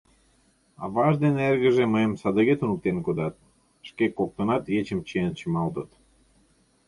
Аваж ден эргыже мыйым садыге «туныктен» кодат, шке коктынат ечым чиен чымалтыт.